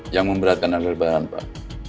yang memberatkan adal barang pak